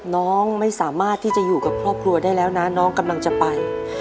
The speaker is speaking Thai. น้องไม่สามารถที่จะอยู่กับครอบครัวได้แล้วนะน้องกำลังจะไป